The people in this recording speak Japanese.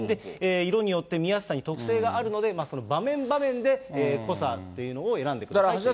色によって見やすさに特性があるので、場面場面で濃さというのを選んでくださいという。